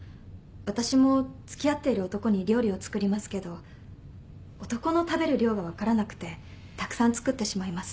私も付き合ってる男に料理を作りますけど男の食べる量が分からなくてたくさん作ってしまいます。